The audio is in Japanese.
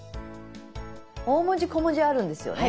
大文字小文字あるんですよね。